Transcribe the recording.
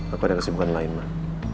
aku ada kesempatan lain mah